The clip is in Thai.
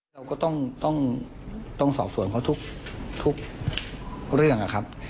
เราก็ต้องสอบสวนเขาทุกเรื่องนะครับ